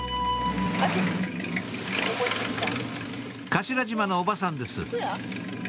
頭島のおばさんです